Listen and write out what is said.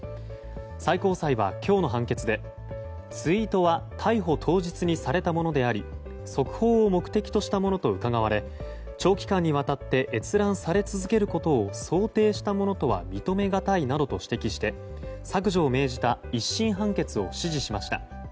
最高裁は今日の判決でツイートは逮捕当日にされたものであり速報を目的としたものとうかがわれ長期間にわたって閲覧され続けることを想定したものとは認めがたいなどと指摘して削除を命じた１審判決を支持しました。